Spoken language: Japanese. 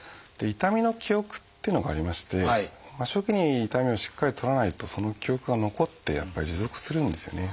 痛みの記憶っていうのがありまして初期に痛みをしっかり取らないとその記憶が残ってやっぱり持続するんですよね。